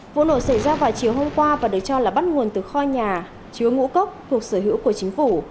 vụ nổ xảy ra vào chiều hôm qua và được cho là bắt nguồn từ kho nhà chứa ngũ cốc thuộc sở hữu của chính phủ